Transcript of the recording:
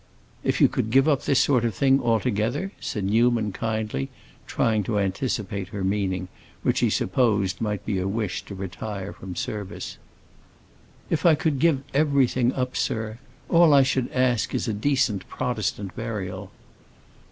"If you could give up this sort of thing altogether?" said Newman kindly, trying to anticipate her meaning, which he supposed might be a wish to retire from service. "If I could give up everything, sir! All I should ask is a decent Protestant burial."